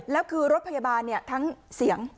แล้วคือรถพยาบาลทั้งเสียง